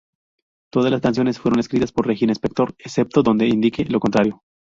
Todas las canciones fueron escritas por Regina Spektor, excepto donde se indique lo contrario.